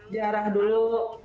di arah dulu